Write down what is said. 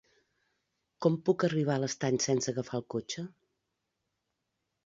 Com puc arribar a l'Estany sense agafar el cotxe?